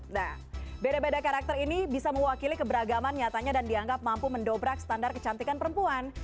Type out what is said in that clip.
nah beda beda karakter ini bisa mewakili keberagaman nyatanya dan dianggap mampu mendobrak standar kecantikan perempuan